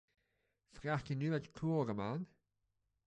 Vraagt u nu het quorum aan?